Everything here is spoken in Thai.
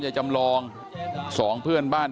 จำลอง๒เพื่อนบ้าน